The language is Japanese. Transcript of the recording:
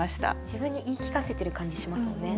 自分に言い聞かせてる感じしますもんね。